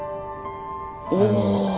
お！